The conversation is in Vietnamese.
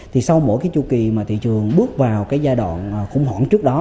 thì sau mỗi cái chu kỳ mà thị trường bước vào cái giai đoạn khủng hoảng trước đó